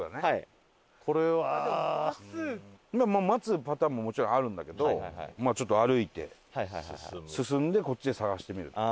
待つパターンももちろんあるんだけどちょっと歩いて進んでこっちで探してみる。